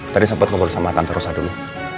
tadi sempet keberusahaan matan terusah dulu